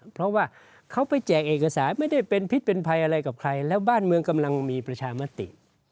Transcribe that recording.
เพราะว่าเขาไปแจกเอกสารไม่ได้เป็นพิษเป็นภัยอะไรกับใครแล้วบ้านเมืองกำลังมีประชามติ